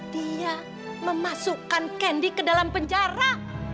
dia memasukkan kendi ke dalam penjara